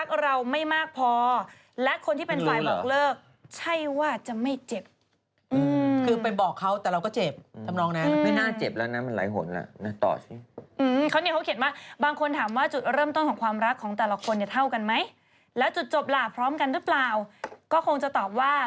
เนี่ยเขาเขียนมาบางคนถามว่าจุดเริ่มต้นของความรักของแต่ละคนเท่ากันมั้ย